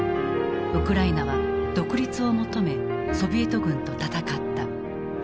ウクライナは独立を求めソビエト軍と戦った。